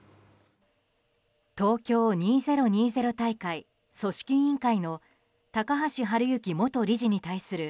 東京２０２０大会組織委員会の高橋治之元理事に対する